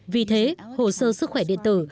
vì thế hồ sơ sức khỏe điện tử